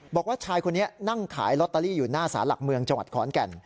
บอกว่าชายคนนี้นั่งขายลอตเตอรี่อยู่หน้าสารหลักเมืองจังหวัดขอนแก่น